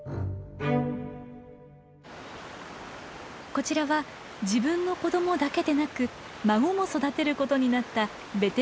こちらは自分の子どもだけでなく孫も育てることになったベテラン母さん。